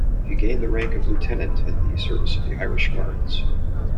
He gained the rank of Lieutenant in the service of the Irish Guards.